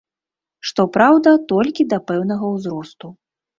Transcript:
Што праўда, толькі да пэўнага ўзросту.